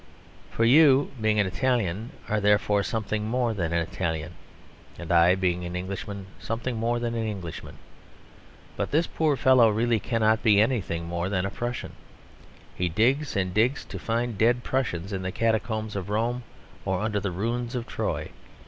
For you, being an Italian, are therefore something more than an Italian; and I being an Englishman, something more than an Englishman. But this poor fellow really cannot be anything more than a Prussian. He digs and digs to find dead Prussians, in the catacombs of Rome or under the ruins of Troy.